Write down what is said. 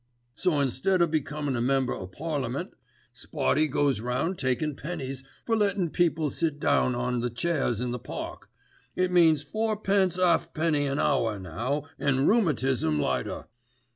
"So instead o' becomin' a member o' parliament, Spotty goes round takin' pennies for lettin' people sit down on the chairs in the Park. It means fourpence 'alfpenny an 'our now an' rheumatism later.